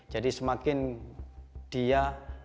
jadi semakin dia tidak mengolah limbah